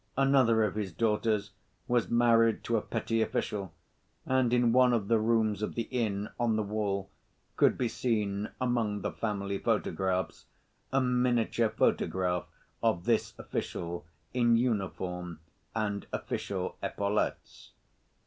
Another of his daughters was married to a petty official, and in one of the rooms of the inn, on the wall could be seen, among the family photographs, a miniature photograph of this official in uniform and official epaulettes.